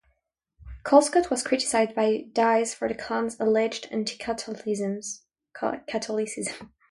Colescott was criticized by Dies for the Klan's alleged anti-Catholicism.